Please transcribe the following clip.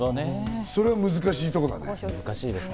それは難しいところだね。